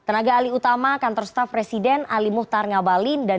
tenaga ali utama kantor staff presiden ali muhtar ngabalin dan guru bapak